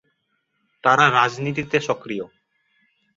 তারা রাজনীতিতে সক্রিয়।